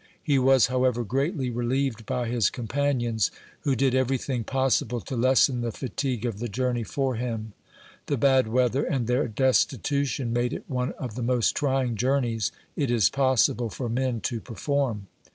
He was, however, greatly re lieved by his companions, wLo did every thing possible to lessen the fatigue of the journey for him. The bad weather, and their destitution, made it one of the most trying journeys it is possible for men to perform.